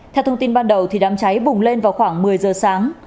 theo thông tin ban đầu đám cháy bùng lên vào khoảng một mươi giờ sáng